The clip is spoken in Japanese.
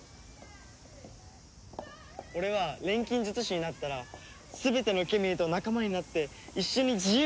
俺は錬金術師になったら全てのケミーと仲間になって一緒に自由に生きる。